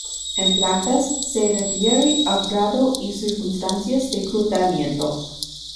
En plantas, se refiere al grado y circunstancias de cruzamiento.